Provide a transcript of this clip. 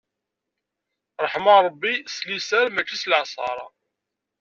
Ṛṛeḥma n Ṛebbi s liser mačči s laɛṣeṛ.